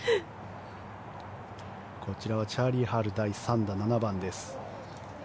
こちらはチャーリー・ハル第３打、７番です。